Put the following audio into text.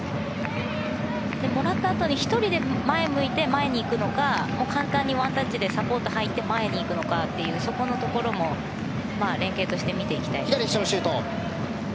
もらったあとに１人で前向いて前に行くのか簡単にワンタッチでサポートに入っていくのかというそこのところも連係として見ていきたいですね。